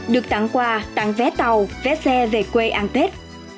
được tặng quà tặng vé tàu vé xe về quê ăn tết